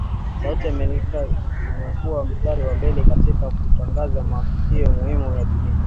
Sauti ya Amerika imekua mstari wa mbele katika kutangaza matukio muhimu ya dunia